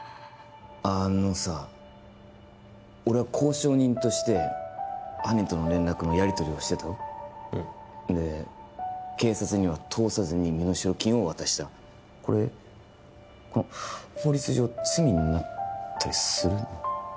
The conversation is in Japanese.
あのさ俺は交渉人として犯人との連絡のやりとりをしてたろうんで警察には通さずに身代金を渡したこれ法律上罪になったりするの？